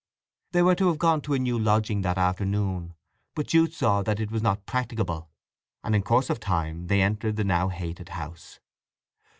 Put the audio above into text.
They were to have gone to a new lodging that afternoon, but Jude saw that it was not practicable, and in course of time they entered the now hated house.